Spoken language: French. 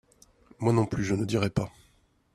Moi non plus je ne dirai pas.